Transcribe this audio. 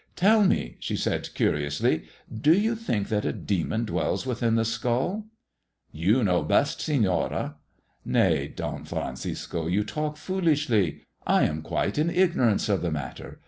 Tell me," she added curiously, '' do you think that a demon dwells within theskulU" " You know best, Senora." " Nay, Don Francisco, you talk foolishly. I am quite in ignorance of the matter.